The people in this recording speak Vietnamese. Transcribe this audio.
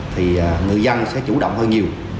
thì người dân sẽ chủ động hơn nhiều